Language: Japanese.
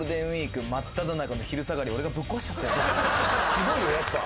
すごいよやっぱ。